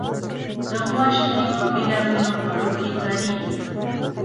د غوا شیدې په بېلابېلو خوړو کې کارېږي.